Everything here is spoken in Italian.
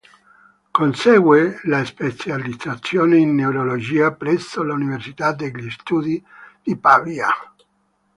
Consegue la specializzazione in Neurologia presso l'Università degli studi di Pavia.